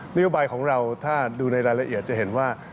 นโยบายของเราถ้าดูในรายละเอียดจะเห็นว่า